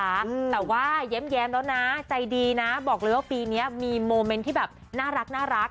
แต่ว่าแย้มแล้วนะใจดีนะบอกเลยว่าปีเนี้ยมีโมเมนต์ที่แบบน่ารักน่ารัก